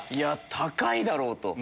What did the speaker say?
高いだろう！と。